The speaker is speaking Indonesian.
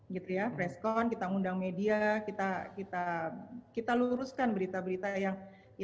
gitu ya preskon kita undang media kita luruskan berita berita yang